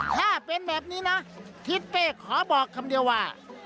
ถ้าเป็นแบบนี้นะทิศเป้ขอบอกคำเดียวว่า